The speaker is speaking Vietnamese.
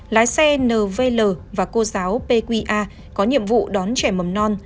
lái xe nvl và cô giáo pqa có nhiệm vụ đón trẻ mầm non